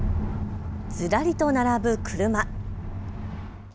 ずらりと並ぶ車。